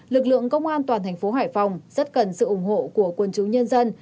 lực lượng công an toàn thành phố hải phòng rất cần sự ủng hộ của quân chúng nhân dân